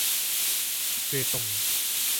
เบตง